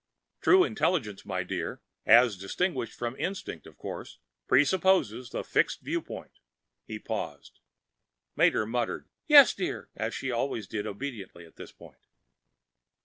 True Intelligence, my dear as distinguished from Instinct, of course pre supposes the fixed viewpoint!" He paused. Mater murmured, "Yes, dear," as she always did obediently at this point.